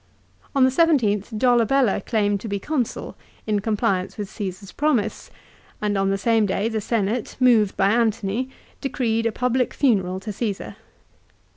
On the 17th Dolabella claimed to be Consul, in compliance with Caesar's promise, and on the same day the Senate, moved by Antony, decreed a public funeral to Caesar.